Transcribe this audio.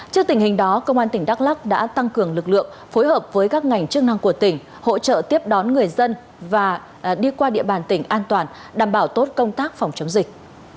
trước tình hình đó công an tỉnh đắk lắc đã tăng cường lực lượng phối hợp với các ngành chức năng của tỉnh hỗ trợ tiếp đón người dân và đi qua địa bàn tỉnh an toàn đảm bảo tốt công tác phòng chống dịch